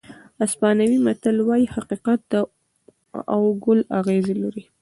اسپانوي متل وایي حقیقت او ګل اغزي لري.